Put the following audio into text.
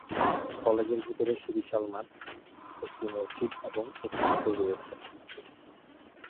কলেজের ভিতরে সুবিশাল মাঠ, একটি মসজিদ এবং একটি পুকুর রয়েছে।